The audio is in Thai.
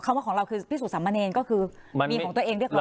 คำว่าของเราคือพิสูจน์สำมรรณเองก็คือมีของตัวเองด้วยของแยก